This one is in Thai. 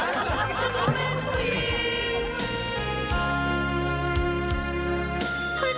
ฉันก็เป็นผู้หญิง